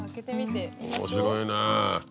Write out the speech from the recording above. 面白いね。